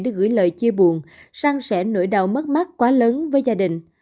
để gửi lời chia buồn sang sẻ nỗi đau mất mát quá lớn với gia đình